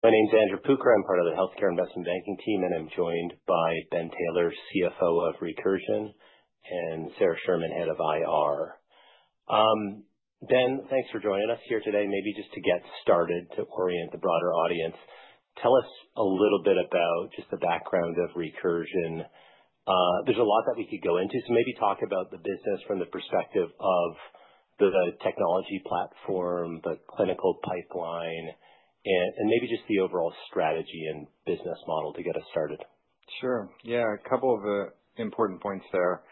...My name is Andrew Pucker. I'm part of the healthcare investment banking team, and I'm joined by Ben Taylor, CFO of Recursion, and Sarah Sherman, head of IR. Ben, thanks for joining us here today. Maybe just to get started, to orient the broader audience, tell us a little bit about just the background of Recursion. There's a lot that we could go into, so maybe talk about the business from the perspective of the technology platform, the clinical pipeline, and maybe just the overall strategy and business model to get us started. Sure. Yeah, a couple of important points there.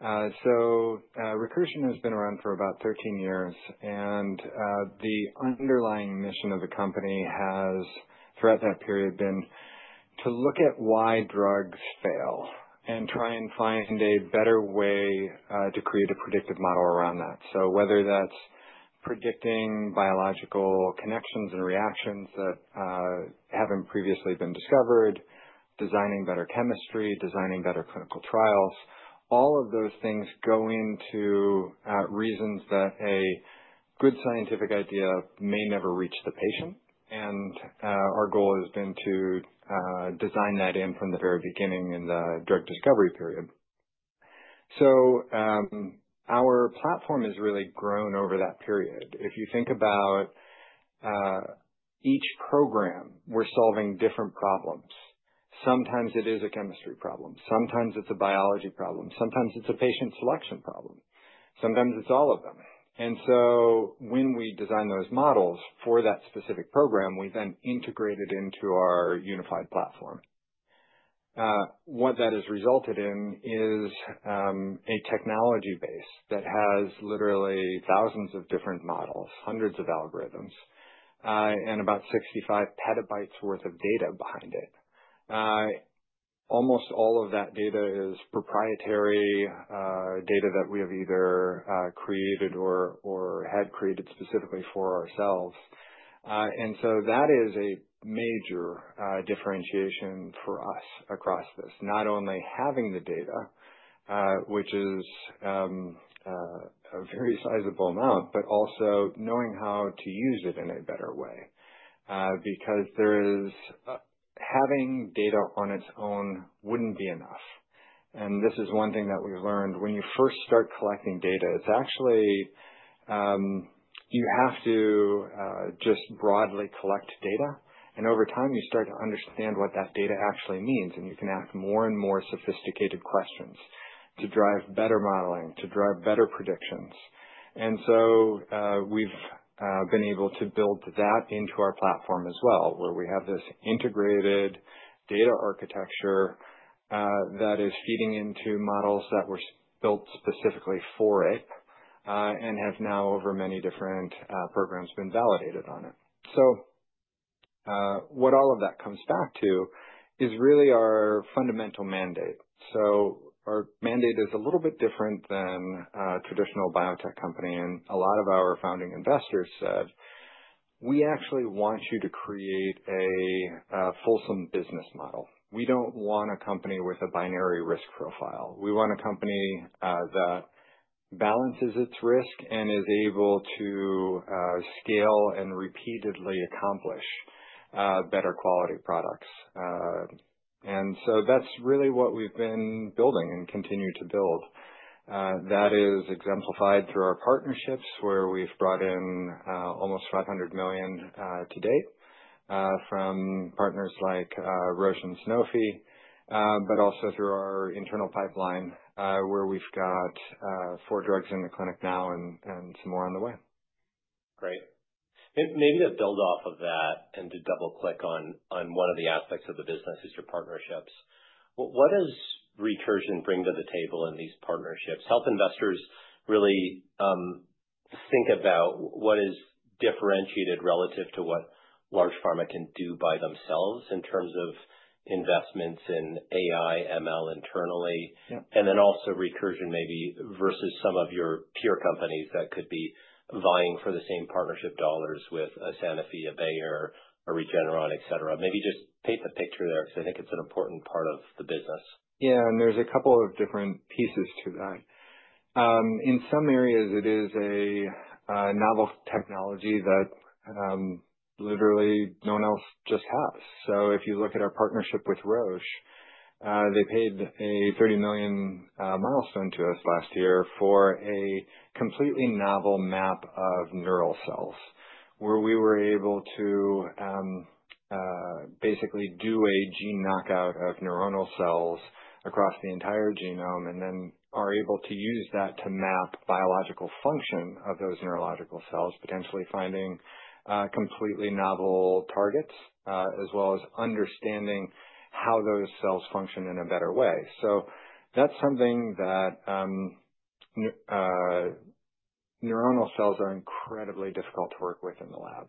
So, Recursion has been around for about thirteen years, and the underlying mission of the company has, throughout that period, been to look at why drugs fail and try and find a better way to create a predictive model around that. So whether that's predicting biological connections and reactions that haven't previously been discovered, designing better chemistry, designing better clinical trials, all of those things go into reasons that a good scientific idea may never reach the patient. And our goal has been to design that in from the very beginning in the drug discovery period. So, our platform has really grown over that period. If you think about each program, we're solving different problems. Sometimes it is a chemistry problem, sometimes it's a biology problem, sometimes it's a patient selection problem, sometimes it's all of them. And so when we design those models for that specific program, we then integrate it into our unified platform. What that has resulted in is a technology base that has literally thousands of different models, hundreds of algorithms, and about 65 petabytes worth of data behind it. Almost all of that data is proprietary data that we have either created or had created specifically for ourselves. And so that is a major differentiation for us across this. Not only having the data, which is a very sizable amount, but also knowing how to use it in a better way, because having data on its own wouldn't be enough. This is one thing that we've learned. When you first start collecting data, it's actually you have to just broadly collect data, and over time, you start to understand what that data actually means, and you can ask more and more sophisticated questions to drive better modeling, to drive better predictions. We've been able to build that into our platform as well, where we have this integrated data architecture that is feeding into models that were built specifically for it, and have now, over many different programs, been validated on it. What all of that comes back to is really our fundamental mandate. Our mandate is a little bit different than a traditional biotech company, and a lot of our founding investors said, "We actually want you to create a fulsome business model. We don't want a company with a binary risk profile. We want a company that balances its risk and is able to scale and repeatedly accomplish better quality products. And so that's really what we've been building and continue to build. That is exemplified through our partnerships, where we've brought in almost $500 million to date from partners like Roche and Sanofi, but also through our internal pipeline, where we've got four drugs in the clinic now and some more on the way. Great. Maybe to build off of that and to double click on one of the aspects of the business is your partnerships. What does Recursion bring to the table in these partnerships? Help investors really think about what is differentiated relative to what large pharma can do by themselves in terms of investments in AI, ML internally, and then also Recursion, maybe versus some of your peer companies that could be vying for the same partnership dollars with a Sanofi, a Bayer, a Regeneron, et cetera. Maybe just paint the picture there, because I think it's an important part of the business. Yeah, and there's a couple of different pieces to that. In some areas, it is a novel technology that literally no one else just has. So if you look at our partnership with Roche, they paid a $30 million milestone to us last year for a completely novel map of neural cells, where we were able to basically do a gene knockout of neuronal cells across the entire genome, and then are able to use that to map biological function of those neurological cells, potentially finding completely novel targets, as well as understanding how those cells function in a better way. So that's something that neuronal cells are incredibly difficult to work with in the lab,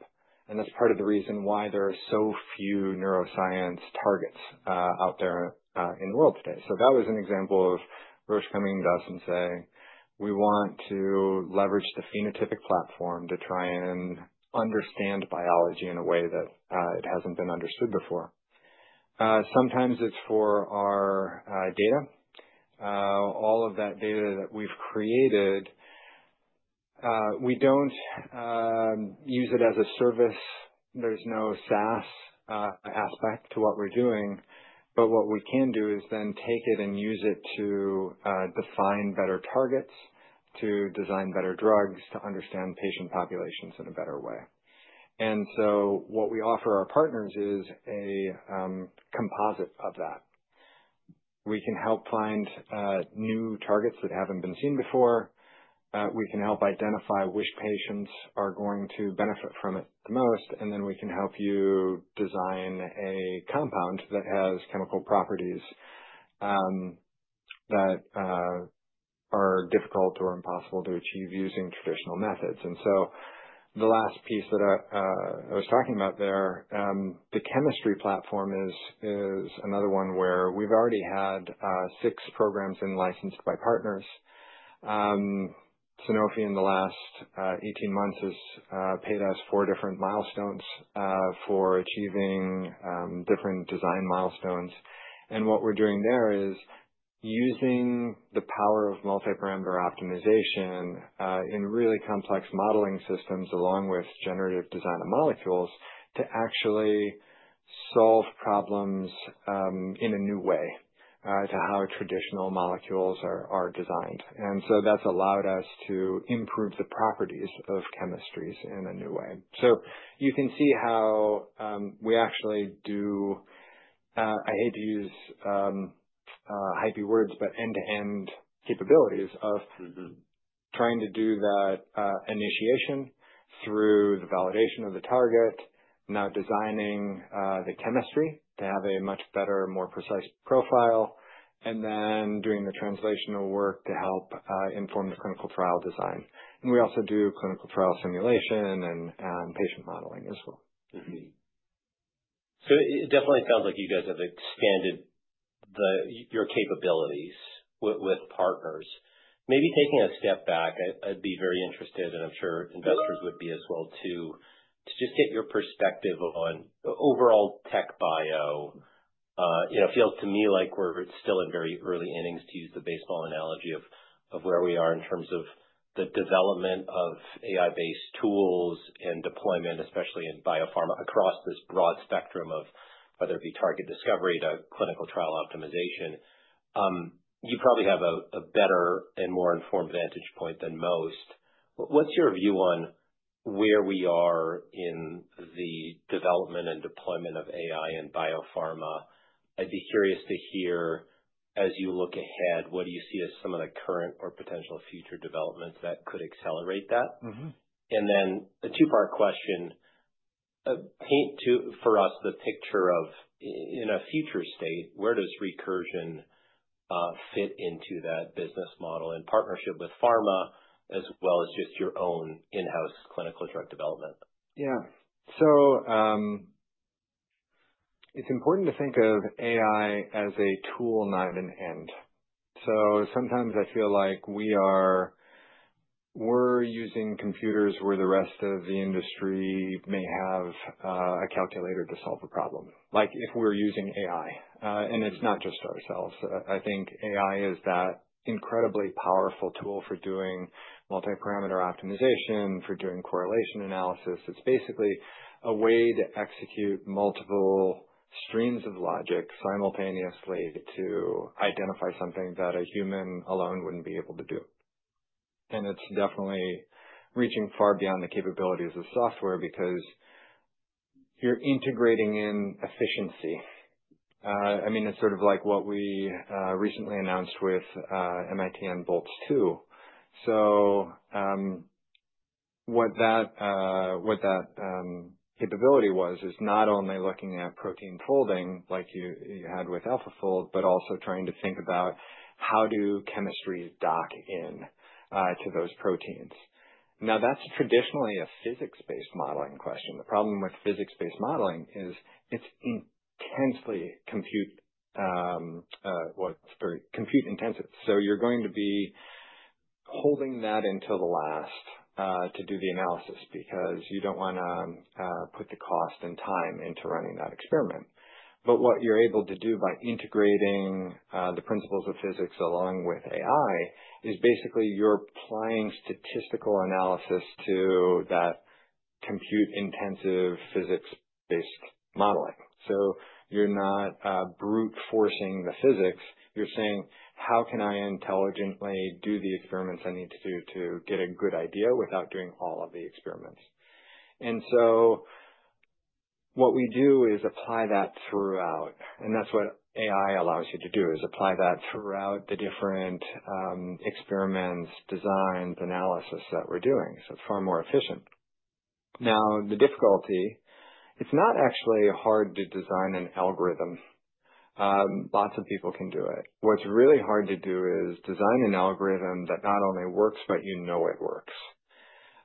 and that's part of the reason why there are so few neuroscience targets out there in the world today. So that was an example of Roche coming to us and saying, "We want to leverage the phenotypic platform to try and understand biology in a way that it hasn't been understood before." Sometimes it's for our data. All of that data that we've created, we don't use it as a service. There's no SaaS aspect to what we're doing, but what we can do is then take it and use it to define better targets, to design better drugs, to understand patient populations in a better way. And so what we offer our partners is a composite of that. We can help find new targets that haven't been seen before. We can help identify which patients are going to benefit from it the most, and then we can help you design a compound that has chemical properties that are difficult or impossible to achieve using traditional methods. And so the last piece that I was talking about there, the chemistry platform is another one where we've already had six programs in-licensed by partners. Sanofi, in the last eighteen months, has paid us four different milestones for achieving different design milestones. And what we're doing there is using the power of multiparameter optimization in really complex modeling systems, along with generative design of molecules, to actually solve problems in a new way to how traditional molecules are designed. And so that's allowed us to improve the properties of chemistries in a new way. So you can see how we actually do. I hate to use hypey words, but end-to-end capabilities of -trying to do that, initiation through the validation of the target, now designing, the chemistry to have a much better, more precise profile, and then doing the translational work to help, inform the clinical trial design. We also do clinical trial simulation and patient modeling as well. Mm-hmm. So it, it definitely sounds like you guys have expanded the, your capabilities with, with partners. Maybe taking a step back, I'd, I'd be very interested, and I'm sure investors would be as well, too, to just get your perspective on overall TechBio. It feels to me like we're still in very early innings, to use the baseball analogy, of, of where we are in terms of the development of AI-based tools and deployment, especially in biopharma, across this broad spectrum of whether it be target discovery to clinical trial optimization. You probably have a, a better and more informed vantage point than most. What's your view on where we are in the development and deployment of AI in biopharma? I'd be curious to hear, as you look ahead, what do you see as some of the current or potential future developments that could accelerate that? Then a two-part question. Paint for us the picture of, in a future state, where does Recursion fit into that business model in partnership with pharma, as well as just your own in-house clinical drug development? Yeah. So, it's important to think of AI as a tool, not an end. So sometimes I feel like we're using computers where the rest of the industry may have a calculator to solve a problem, like if we're using AI. And it's not just ourselves. I think AI is that incredibly powerful tool for doing multiparameter optimization, for doing correlation analysis. It's basically a way to execute multiple streams of logic simultaneously to identify something that a human alone wouldn't be able to do. And it's definitely reaching far beyond the capabilities of software because you're integrating in efficiency. I mean, it's sort of like what we recently announced with MIT and Bolt two. So, what that capability was, is not only looking at protein folding like you had with AlphaFold, but also trying to think about how do chemistries dock in to those proteins. Now, that's traditionally a physics-based modeling question. The problem with physics-based modeling is it's intensely compute, well, it's very compute intensive, so you're going to be holding that until the last to do the analysis, because you don't want to put the cost and time into running that experiment. But what you're able to do by integrating the principles of physics along with AI, is basically you're applying statistical analysis to that compute intensive physics-based modeling. So you're not brute forcing the physics. You're saying: How can I intelligently do the experiments I need to do to get a good idea without doing all of the experiments? And so what we do is apply that throughout, and that's what AI allows you to do, is apply that throughout the different experiments, designs, analysis that we're doing. So it's far more efficient. Now, the difficulty, it's not actually hard to design an algorithm. Lots of people can do it. What's really hard to do is design an algorithm that not only works, but you know it works.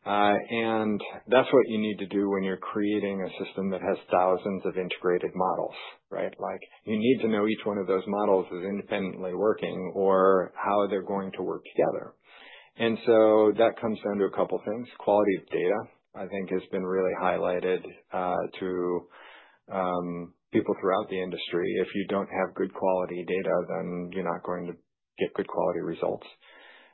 And that's what you need to do when you're creating a system that has thousands of integrated models, right? Like, you need to know each one of those models is independently working or how they're going to work together. And so that comes down to a couple things. Quality of data, I think, has been really highlighted to people throughout the industry. If you don't have good quality data, then you're not going to get good quality results.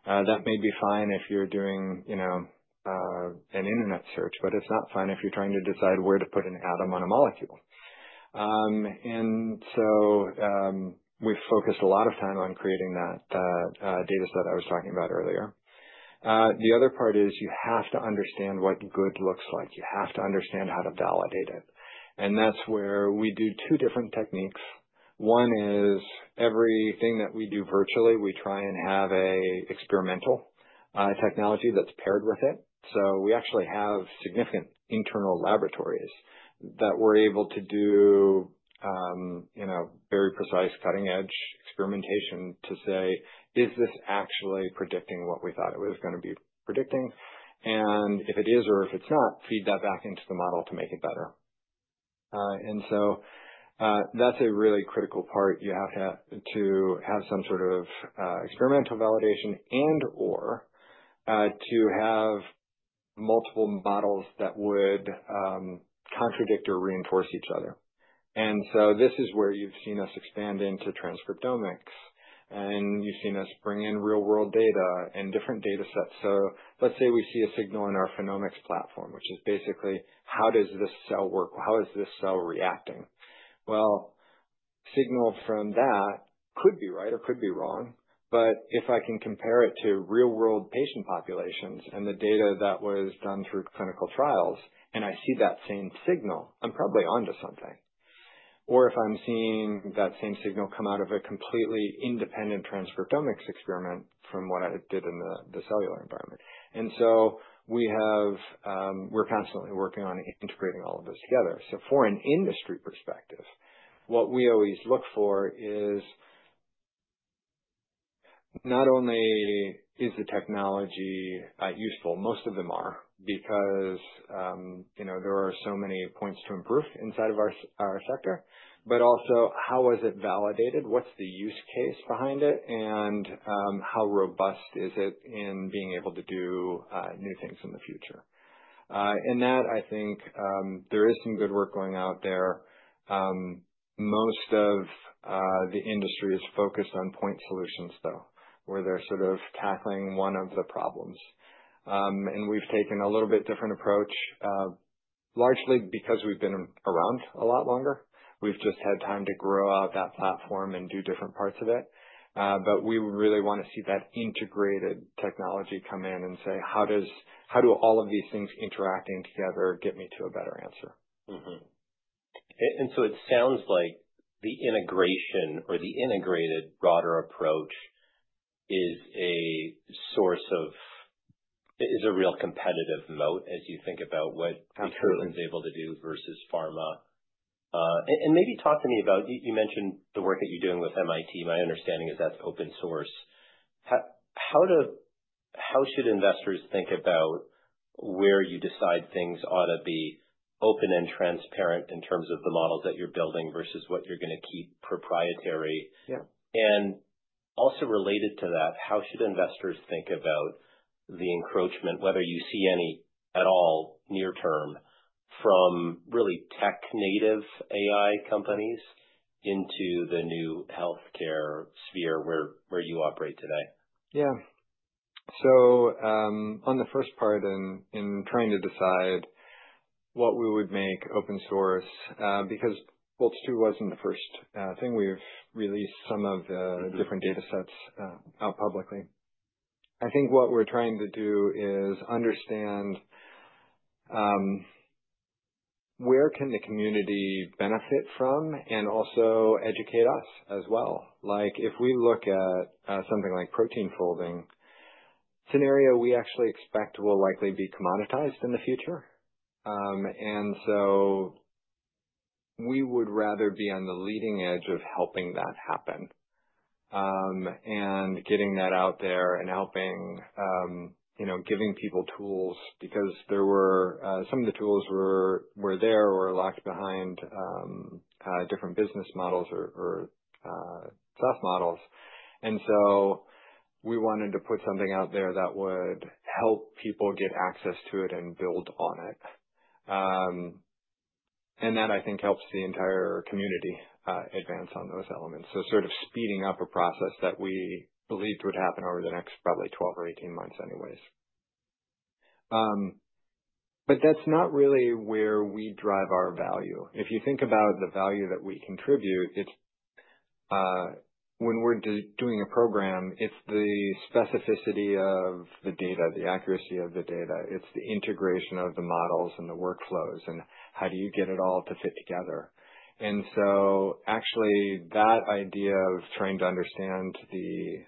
That may be fine if you're doing, you know, an internet search, but it's not fine if you're trying to decide where to put an atom on a molecule. And so, we've focused a lot of time on creating that data set I was talking about earlier. The other part is you have to understand what good looks like. You have to understand how to validate it. And that's where we do two different techniques. One is everything that we do virtually, we try and have an experimental technology that's paired with it. So we actually have significant internal laboratories that we're able to do, you know, very precise cutting-edge experimentation to say, is this actually predicting what we thought it was going to be predicting? And if it is, or if it's not, feed that back into the model to make it better. And so, that's a really critical part. You have to have some sort of, experimental validation and/or, to have multiple models that would, contradict or reinforce each other. And so this is where you've seen us expand into transcriptomics, and you've seen us bring in real-world data and different data sets. So let's say we see a signal in our Phenomics platform, which is basically how does this cell work? How is this cell reacting? Signal from that could be right or could be wrong, but if I can compare it to real-world patient populations and the data that was done through clinical trials, and I see that same signal, I'm probably onto something. Or if I'm seeing that same signal come out of a completely independent transcriptomics experiment from what I did in the cellular environment. And so we have, we're constantly working on integrating all of this together. So for an industry perspective, what we always look for is... Not only is the technology useful, most of them are, because, you know, there are so many points to improve inside of our sector, but also how is it validated? What's the use case behind it? And, how robust is it in being able to do new things in the future? In that, I think, there is some good work going out there. Most of the industry is focused on point solutions, though, where they're sort of tackling one of the problems. And we've taken a little bit different approach, largely because we've been around a lot longer. We've just had time to grow out that platform and do different parts of it. But we really want to see that integrated technology come in and say, how do all of these things interacting together get me to a better answer? Mm-hmm. And so it sounds like the integration or the integrated broader approach is a source of, is a real competitive moat as you think about what- Absolutely. is able to do versus pharma. And maybe talk to me about, you mentioned the work that you're doing with MIT. My understanding is that's open source. How should investors think about where you decide things ought to be open and transparent in terms of the models that you're building versus what you're going to keep proprietary? Yeah. Also related to that, how should investors think about the encroachment, whether you see any at all near term, from really tech native AI companies into the new healthcare sphere where you operate today? Yeah. So, on the first part, in trying to decide what we would make open source, because Boltz-2 wasn't the first thing. We've released some of the different data sets out publicly. I think what we're trying to do is understand where can the community benefit from and also educate us as well. Like, if we look at something like protein folding scenario we actually expect will likely be commoditized in the future. And so we would rather be on the leading edge of helping that happen, and getting that out there and helping you know, giving people tools because there were some of the tools were there, were locked behind different business models or SaaS models. And so we wanted to put something out there that would help people get access to it and build on it. And that, I think, helps the entire community advance on those elements. So sort of speeding up a process that we believed would happen over the next probably 12 or 18 months anyways. But that's not really where we drive our value. If you think about the value that we contribute, it's when we're doing a program, it's the specificity of the data, the accuracy of the data, it's the integration of the models and the workflows, and how do you get it all to fit together. And so actually, that idea of trying to understand the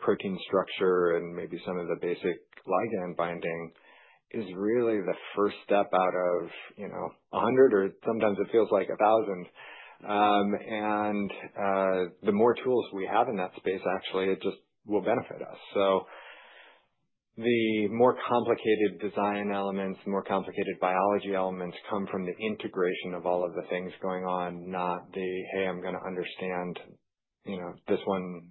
protein structure and maybe some of the basic ligand binding is really the first step out of, you know, a hundred, or sometimes it feels like a thousand. And the more tools we have in that space, actually, it just will benefit us. So the more complicated design elements, the more complicated biology elements come from the integration of all of the things going on, not the, "Hey, I'm going to understand you know this one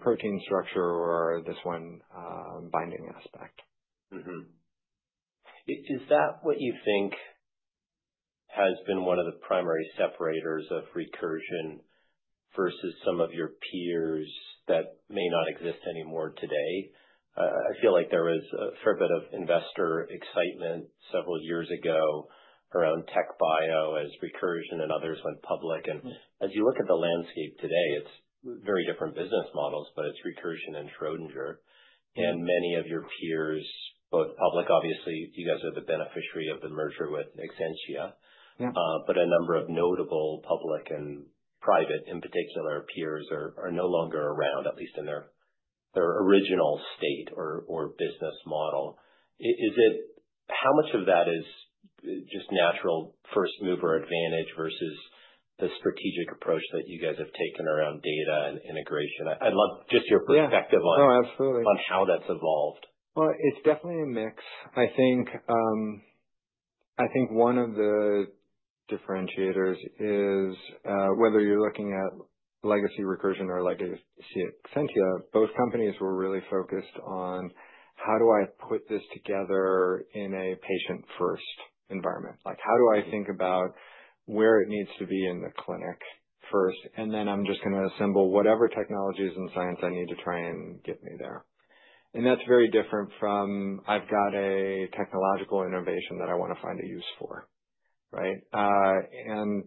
protein structure or this one binding aspect. Mm-hmm. Is that what you think has been one of the primary separators of Recursion versus some of your peers that may not exist anymore today? I feel like there was a fair bit of investor excitement several years ago around tech bio as Recursion and others went public. And as you look at the landscape today, it's very different business models, but it's Recursion and Schrodinger, and many of your peers, both public, obviously, you guys are the beneficiary of the merger with Exscientia. Yeah. But a number of notable public and private, in particular, peers are no longer around, at least in their original state or business model. Is it-- How much of that is just natural first mover advantage versus the strategic approach that you guys have taken around data and integration? I'd love just your perspective on- Yeah. Oh, absolutely. on how that's evolved. It's definitely a mix. I think I think one of the differentiators is whether you're looking at legacy Recursion or legacy Exscientia, both companies were really focused on: How do I put this together in a patient-first environment? Like, how do I think about where it needs to be in the clinic first, and then I'm just going to assemble whatever technologies and science I need to try and get me there. And that's very different from I've got a technological innovation that I want to find a use for, right? And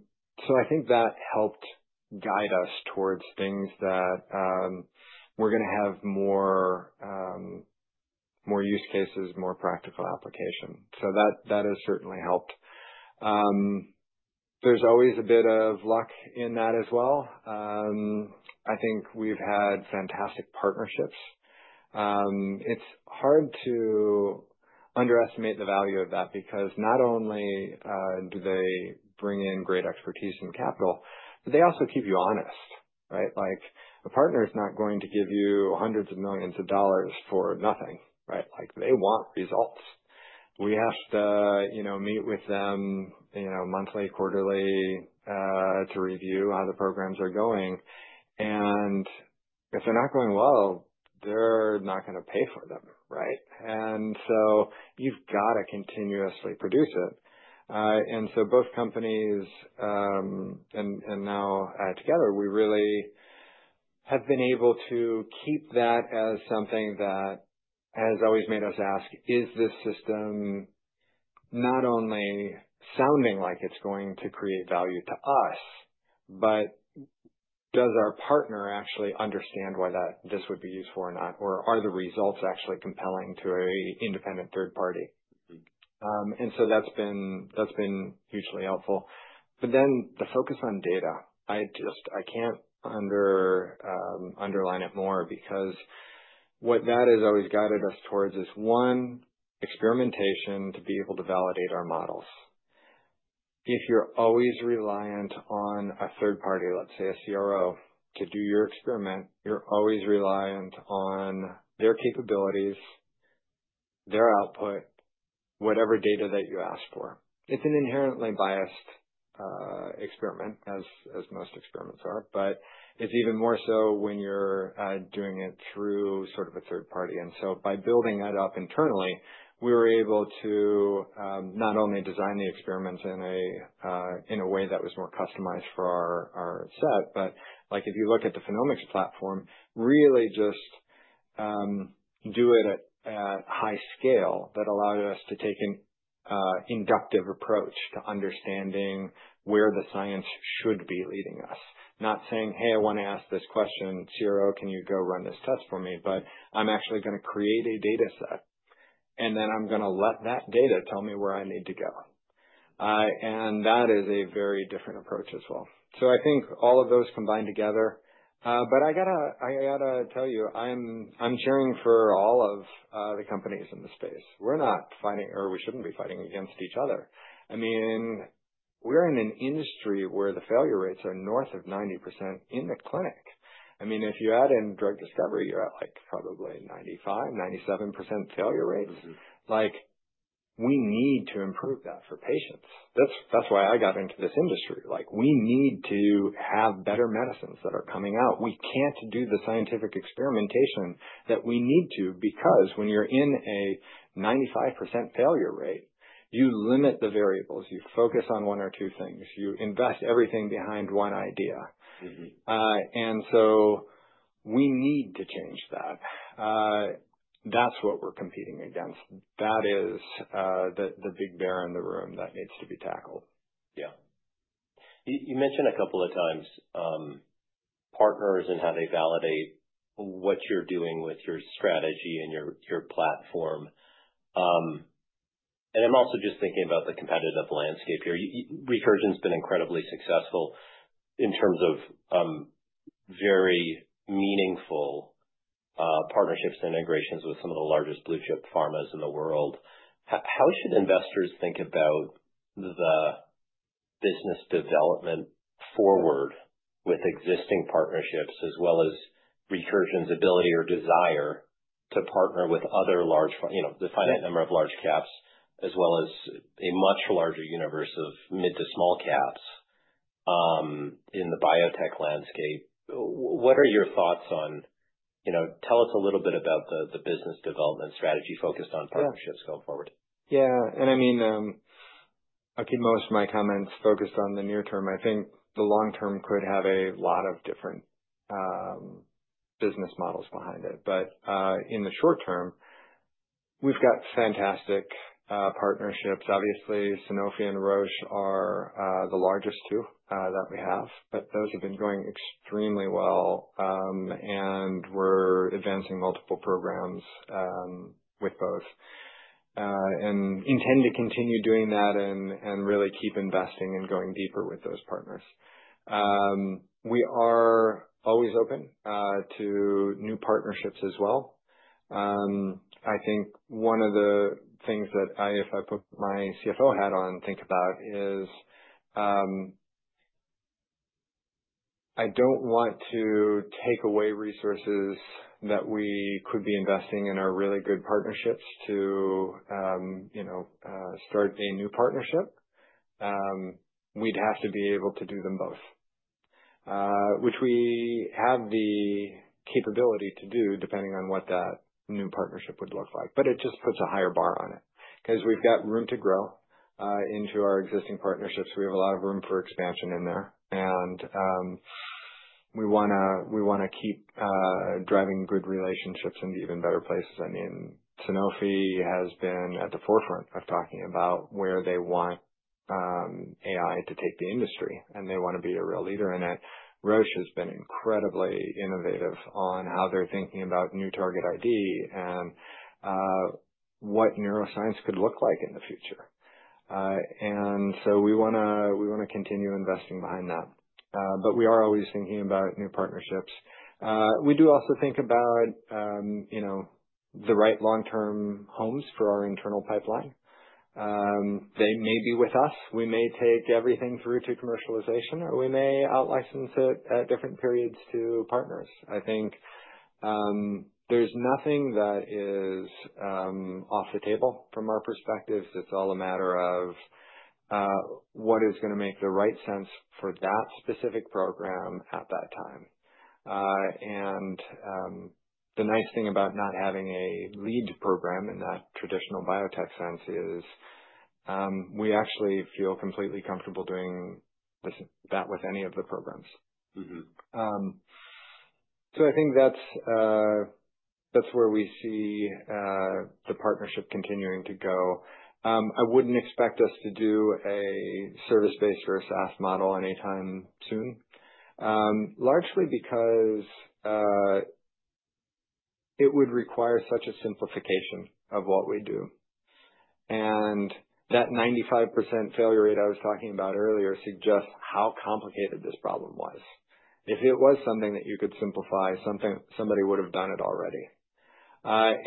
so I think that helped guide us towards things that we're going to have more, more use cases, more practical application. So that has certainly helped. There's always a bit of luck in that as well. I think we've had fantastic partnerships. It's hard to underestimate the value of that, because not only do they bring in great expertise and capital, but they also keep you honest, right? Like, a partner is not going to give you hundreds of millions of dollars for nothing, right? Like, they want results. We have to, you know, meet with them, you know, monthly, quarterly, to review how the programs are going, and if they're not going well, they're not going to pay for them, right? And so you've got to continuously produce it. And so both companies, and now together, we really have been able to keep that as something that has always made us ask, "Is this system not only sounding like it's going to create value to us, but does our partner actually understand why this would be useful or not? Or are the results actually compelling to an independent third party? Mm-hmm. And so that's been hugely helpful. But then the focus on data, I can't underline it more, because what that has always guided us towards is one, experimentation to be able to validate our models. If you're always reliant on a third party, let's say a CRO, to do your experiment, you're always reliant on their capabilities, their output, whatever data that you ask for. It's an inherently biased experiment as most experiments are, but it's even more so when you're doing it through sort of a third party. So by building that up internally, we were able to not only design the experiments in a way that was more customized for our set, but like if you look at the Phenomics platform, really just do it at a high scale that allowed us to take an inductive approach to understanding where the science should be leading us. Not saying, "Hey, I want to ask this question, CRO, can you go run this test for me," but I'm actually going to create a data set, and then I'm going to let that data tell me where I need to go. That is a very different approach as well. I think all of those combined together. I gotta tell you, I'm cheering for all of the companies in this space. We're not fighting, or we shouldn't be fighting against each other. I mean, we're in an industry where the failure rates are north of 90% in the clinic. I mean, if you add in drug discovery, you're at, like, probably 95%-97% failure rates. Like, we need to improve that for patients. That's, that's why I got into this industry. Like, we need to have better medicines that are coming out. We can't do the scientific experimentation that we need to, because when you're in a 95% failure rate, you limit the variables, you focus on one or two things, you invest everything behind one idea. Mm-hmm. And so we need to change that. That's what we're competing against. That is, the big bear in the room that needs to be tackled. Yeah. You mentioned a couple of times, partners and how they validate what you're doing with your strategy and your platform. And I'm also just thinking about the competitive landscape here. Recursion's been incredibly successful in terms of very meaningful partnerships and integrations with some of the largest blue chip pharmas in the world. How should investors think about the business development forward with existing partnerships, as well as Recursion's ability or desire to partner with other large, you know, the finite number of large caps, as well as a much larger universe of mid to small caps, in the biotech landscape. What are your thoughts on, you know, tell us a little bit about the business development strategy focused on partnerships going forward. Yeah, and I mean, I keep most of my comments focused on the near term. I think the long term could have a lot of different business models behind it, but in the short term, we've got fantastic partnerships. Obviously, Sanofi and Roche are the largest two that we have, but those have been going extremely well, and we're advancing multiple programs with both and intend to continue doing that and really keep investing and going deeper with those partners. We are always open to new partnerships as well. I think one of the things that I, if I put my CFO hat on and think about is, I don't want to take away resources that we could be investing in our really good partnerships to, you know, start a new partnership. We'd have to be able to do them both, which we have the capability to do, depending on what that new partnership would look like. But it just puts a higher bar on it. 'Cause we've got room to grow into our existing partnerships. We have a lot of room for expansion in there, and we wanna, we wanna keep driving good relationships into even better places. I mean, Sanofi has been at the forefront of talking about where they want AI to take the industry, and they want to be a real leader in it. Roche has been incredibly innovative on how they're thinking about new target ID and what neuroscience could look like in the future. And so we wanna, we wanna continue investing behind that. But we are always thinking about new partnerships. We do also think about, you know, the right long-term homes for our internal pipeline. They may be with us. We may take everything through to commercialization, or we may out-license it at different periods to partners. I think, there's nothing that is off the table from our perspective. It's all a matter of what is gonna make the right sense for that specific program at that time, and the nice thing about not having a lead program in that traditional biotech sense is we actually feel completely comfortable doing this, that with any of the programs. Mm-hmm. So I think that's where we see the partnership continuing to go. I wouldn't expect us to do a service-based or a SaaS model anytime soon, largely because it would require such a simplification of what we do. And that 95% failure rate I was talking about earlier suggests how complicated this problem was. If it was something that you could simplify, somebody would have done it already.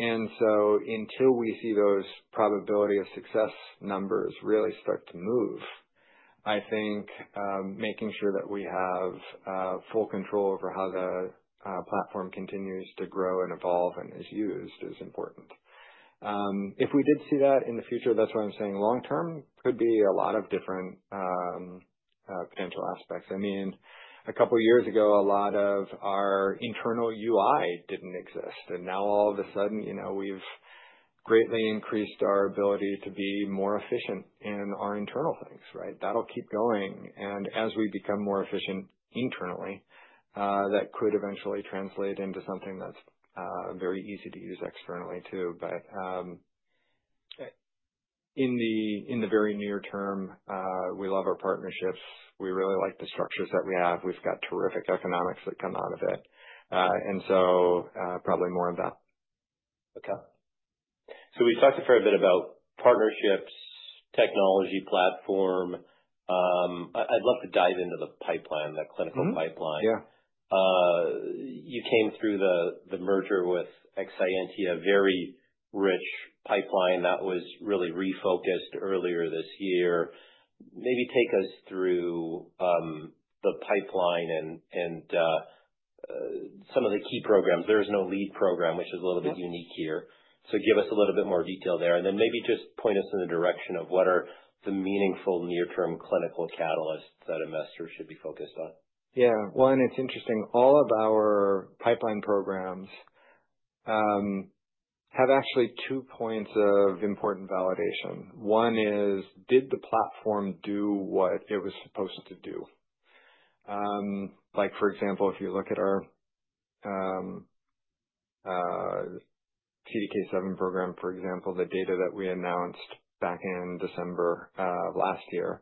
And so until we see those probability of success numbers really start to move, I think making sure that we have full control over how the platform continues to grow and evolve and is used is important. If we did see that in the future, that's why I'm saying long term could be a lot of different potential aspects. I mean, a couple of years ago, a lot of our internal UI didn't exist, and now all of a sudden, you know, we've greatly increased our ability to be more efficient in our internal things, right? That'll keep going, and as we become more efficient internally, that could eventually translate into something that's very easy to use externally, too. But, in the very near term, we love our partnerships. We really like the structures that we have. We've got terrific economics that come out of it. And so, probably more of that. Okay. So we've talked a fair bit about partnerships, technology platform. I'd love to dive into the pipeline, the clinical pipeline. Mm-hmm. Yeah. You came through the merger with Exscientia, a very rich pipeline that was really refocused earlier this year. Maybe take us through the pipeline and some of the key programs. There's no lead program, which is a little bit unique here. So give us a little bit more detail there, and then maybe just point us in the direction of what are the meaningful near-term clinical catalysts that investors should be focused on? Yeah. Well, and it's interesting. All of our pipeline programs have actually two points of important validation. One is, did the platform do what it was supposed to do? Like, for example, if you look at our CDK7 program, for example, the data that we announced back in December of last year.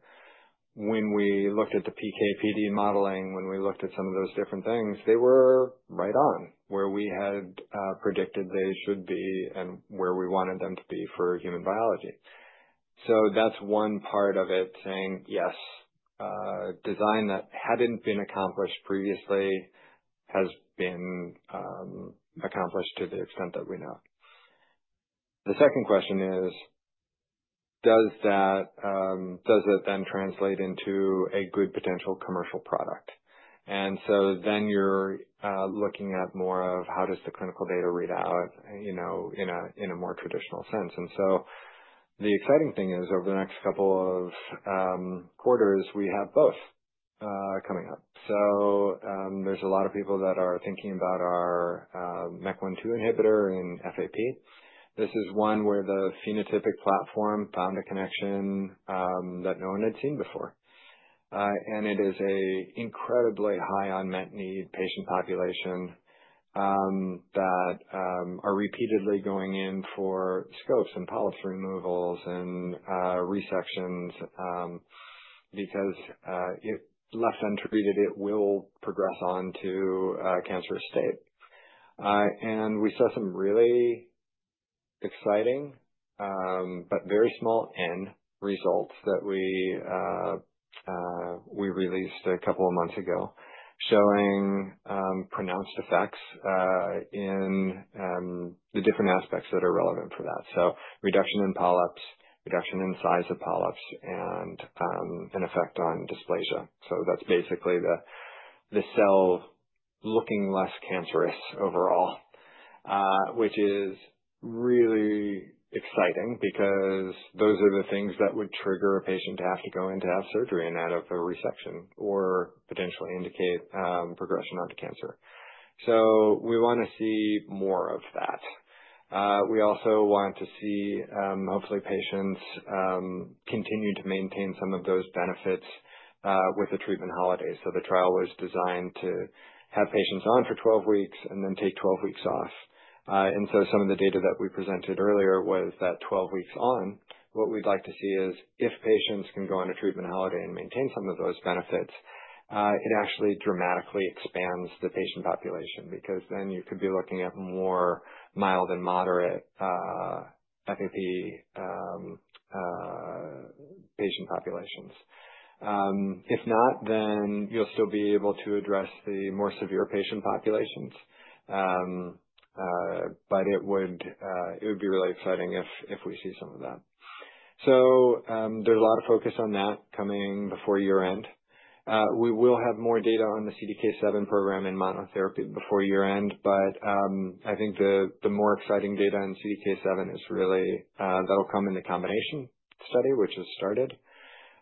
When we looked at the PK/PD modeling, when we looked at some of those different things, they were right on where we had predicted they should be and where we wanted them to be for human biology. So that's one part of it, saying, "Yes, design that hadn't been accomplished previously has been accomplished to the extent that we know." The second question is, does that then translate into a good potential commercial product? And so then you're looking at more of how does the clinical data read out, you know, in a more traditional sense. And so the exciting thing is, over the next couple of quarters, we have both coming up. So, there's a lot of people that are thinking about our MEK1/2 inhibitor in FAP. This is one where the phenotypic platform found a connection that no one had seen before. And it is an incredibly high unmet need patient population that are repeatedly going in for scopes and polyps removals and resections because it, left untreated, it will progress on to a cancerous state. And we saw some really exciting, but very small N results that we released a couple of months ago, showing pronounced effects in the different aspects that are relevant for that. So reduction in polyps, reduction in size of polyps, and an effect on dysplasia. So that's basically the cell looking less cancerous overall, which is really exciting because those are the things that would trigger a patient to have to go in to have surgery and out of a resection or potentially indicate progression onto cancer. So we wanna see more of that. We also want to see, hopefully, patients continue to maintain some of those benefits with the treatment holiday. So the trial was designed to have patients on for twelve weeks and then take twelve weeks off. And so some of the data that we presented earlier was that twelve weeks on, what we'd like to see is if patients can go on a treatment holiday and maintain some of those benefits. It actually dramatically expands the patient population, because then you could be looking at more mild and moderate FAP patient populations. If not, then you'll still be able to address the more severe patient populations. But it would be really exciting if we see some of that. So, there's a lot of focus on that coming before year-end. We will have more data on the CDK7 program in monotherapy before year-end, but I think the more exciting data in CDK7 is really that'll come in the combination study, which has started.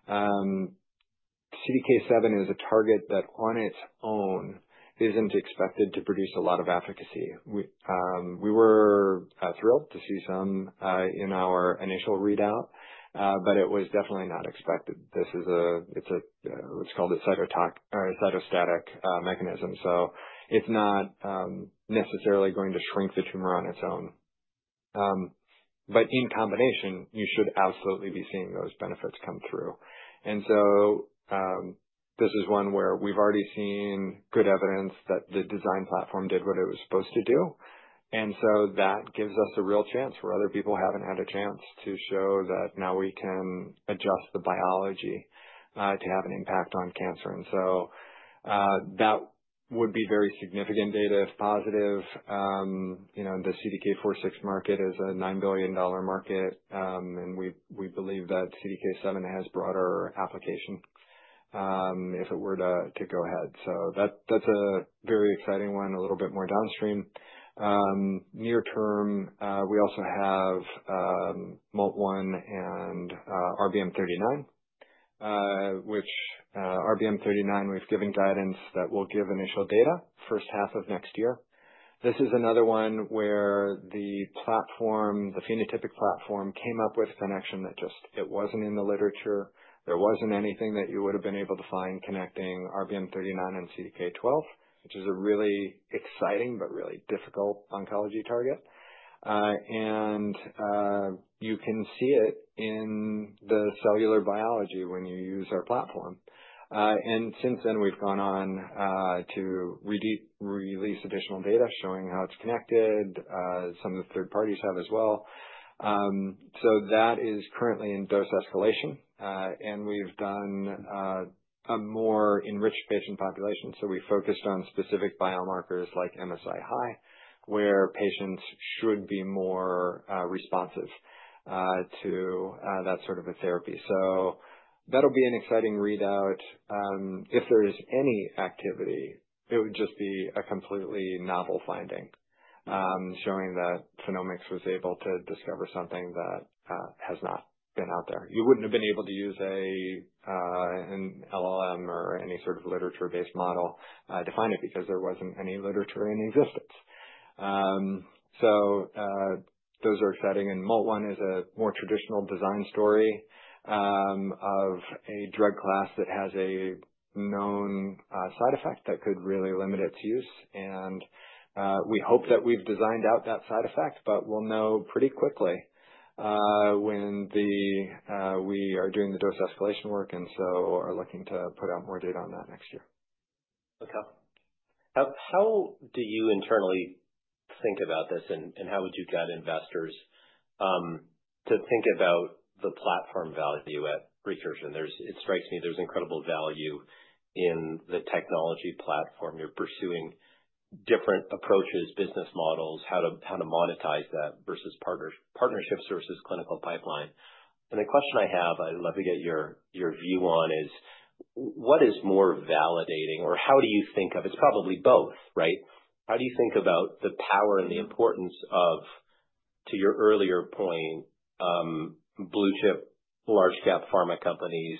CDK7 is a target that, on its own, isn't expected to produce a lot of efficacy. We were thrilled to see some in our initial readout, but it was definitely not expected. This is what's called a cytotoxic or a cytostatic mechanism, so it's not necessarily going to shrink the tumor on its own. But in combination, you should absolutely be seeing those benefits come through. And so, this is one where we've already seen good evidence that the design platform did what it was supposed to do, and so that gives us a real chance where other people haven't had a chance to show that now we can adjust the biology to have an impact on cancer. And so, that would be very significant data if positive. You know, the CDK4/6 market is a $9 billion market, and we believe that CDK7 has broader application, if it were to go ahead. So that's a very exciting one, a little bit more downstream. Near term, we also have MALT1 and RBM39, which, RBM39, we've given guidance that we'll give initial data first half of next year. This is another one where the platform, the phenotypic platform, came up with a connection that just... it wasn't in the literature. There wasn't anything that you would have been able to find connecting RBM39 and CDK12, which is a really exciting but really difficult oncology target. And you can see it in the cellular biology when you use our platform. And since then, we've gone on to release additional data showing how it's connected. Some of the third parties have as well. So that is currently in dose escalation. And we've done a more enriched patient population. So we focused on specific biomarkers like MSI high, where patients should be more responsive to that sort of a therapy. So that'll be an exciting readout. If there is any activity, it would just be a completely novel finding showing that Phenomics was able to discover something that has not been out there. You wouldn't have been able to use an LLM or any sort of literature-based model to find it, because there wasn't any literature in existence. Those are exciting, and MALT1 is a more traditional design story of a drug class that has a known side effect that could really limit its use. We hope that we've designed out that side effect, but we'll know pretty quickly when we are doing the dose escalation work and so are looking to put out more data on that next year. Okay. How do you internally think about this, and how would you guide investors to think about the platform value at Recursion? It strikes me there's incredible value in the technology platform. You're pursuing different approaches, business models, how to monetize that versus partnerships versus clinical pipeline. The question I have, I'd love to get your view on, is what is more validating or how do you think of it. It's probably both, right? How do you think about the power and the importance of, to your earlier point, blue chip, large cap pharma companies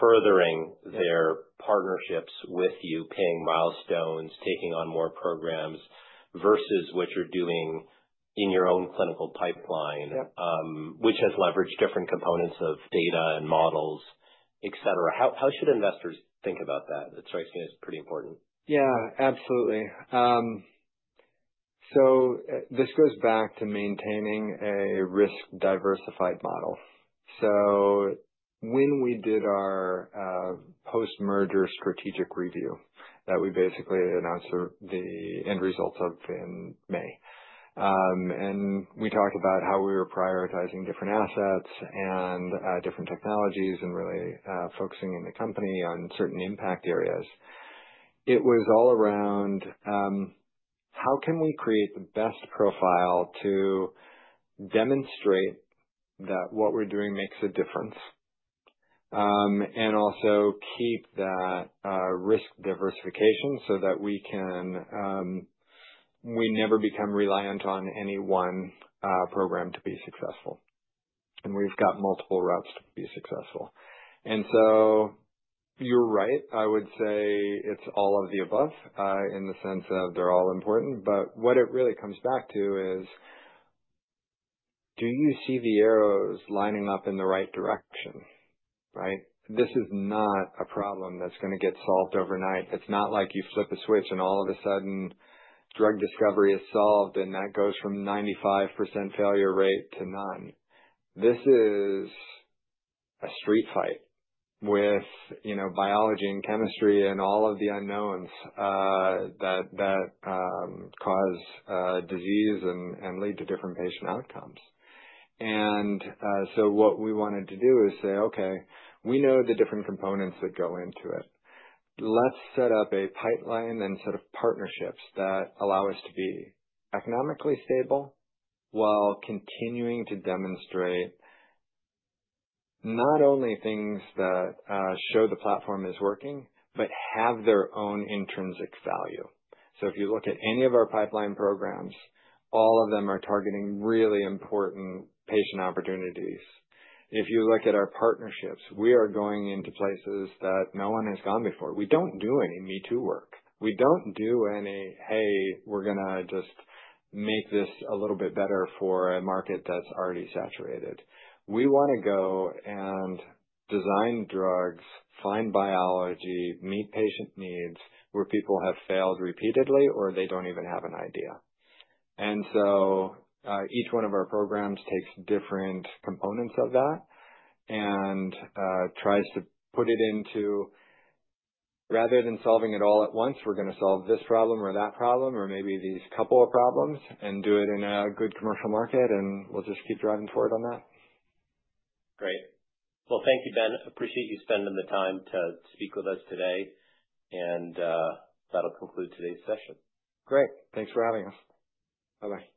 furthering their partnerships with you, paying milestones, taking on more programs, versus what you're doing in your own clinical pipeline, which has leveraged different components of data and models, et cetera. How should investors think about that? It strikes me as pretty important. Yeah, absolutely, so this goes back to maintaining a risk-diversified model, so when we did our post-merger strategic review that we basically announced the end results of in May, and we talked about how we were prioritizing different assets and different technologies and really focusing in the company on certain impact areas. It was all around how can we create the best profile to demonstrate that what we're doing makes a difference, and also keep that risk diversification so that we can, we never become reliant on any one program to be successful, and we've got multiple routes to be successful, and so you're right. I would say it's all of the above in the sense of they're all important. But what it really comes back to is, do you see the arrows lining up in the right direction, right? This is not a problem that's going to get solved overnight. It's not like you flip a switch and all of a sudden drug discovery is solved and that goes from 95% failure rate to none. This is a street fight with, you know, biology and chemistry and all of the unknowns that cause disease and lead to different patient outcomes. And so what we wanted to do is say, okay, we know the different components that go into it. Let's set up a pipeline and set of partnerships that allow us to be economically stable while continuing to demonstrate not only things that show the platform is working, but have their own intrinsic value. So if you look at any of our pipeline programs, all of them are targeting really important patient opportunities. If you look at our partnerships, we are going into places that no one has gone before. We don't do any me-too work. We don't do any, "Hey, we're gonna just make this a little bit better for a market that's already saturated." We want to go and design drugs, find biology, meet patient needs, where people have failed repeatedly or they don't even have an idea. And so, each one of our programs takes different components of that and, tries to put it into, rather than solving it all at once, we're going to solve this problem or that problem or maybe these couple of problems and do it in a good commercial market, and we'll just keep driving forward on that. Great. Thank you, Ben. Appreciate you spending the time to speak with us today, and that'll conclude today's session. Great. Thanks for having us. Bye-bye.